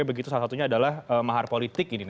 begitu salah satunya adalah mahar politik ini